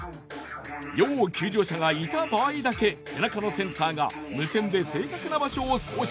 要救助者がいた場合だけ背中のセンサーが無線で正確な場所を送信。